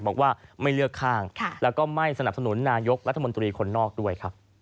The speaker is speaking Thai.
บอกว่าไม่เลือกข้างแล้วก็ไม่สนับสนุนนายกรัฐมนตรีคนนอกด้วยครับ